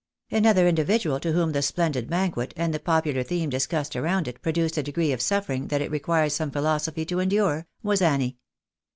Another individual to whom the splendid banquet, and the popular theme discussed around it, produced a degree of suifering that it required some philosophy to endure, was Annie.